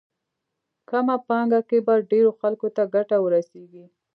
کمه پانګه کې به ډېرو خلکو ته ګټه ورسېږي.